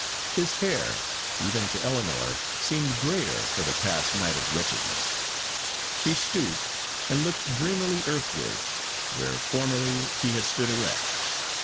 His hair, even to Ellinor, seemed greyer for the past night of wretchedness. He stooped, and looked dreamily earthward, where formerly he had stood erect.